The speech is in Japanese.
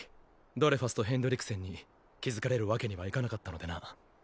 ドレファスとヘンドリクセンに気付かれるわけにはいかなかったのでな。